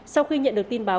sau khi nhận được tin báo